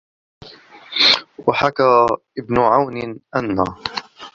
وَحَكَى ابْنُ عَوْنٍ أَنَّ